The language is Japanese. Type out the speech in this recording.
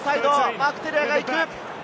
マーク・テレアが行く。